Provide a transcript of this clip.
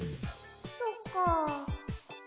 そっかあ。